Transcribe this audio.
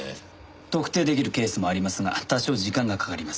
特定できるケースもありますが多少時間がかかります。